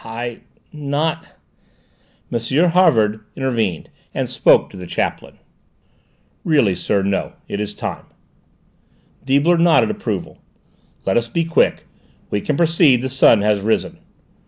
"I not " M. Havard intervened, and spoke to the chaplain. "Really, sir, no: it is time." Deibler nodded approval. "Let us be quick; we can proceed; the sun has risen."